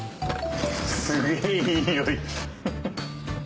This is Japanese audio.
すげぇいい匂い。